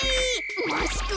マスク？